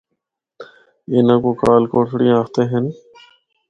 اِنّاں کو کال کوٹھڑیاں آخدے ہن۔